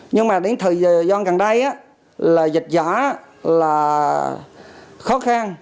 nhưng mà đến thời gian gần đây là dịch giả là khó khăn